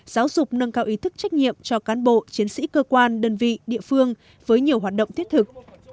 giáo dục nâng cao ý thức trách nhiệm cho cán bộ chiến sĩ cơ quan đơn vị địa phương với nhiều hoạt động thiết thực